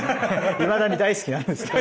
いまだに大好きなんですけど。